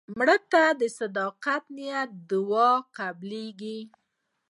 مړه ته د صدق نیت دعا قبلیږي